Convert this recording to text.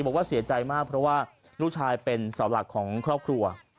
บอกว่าเสียใจมากเพราะว่าลูกชายเป็นเสาหลักของครอบครัว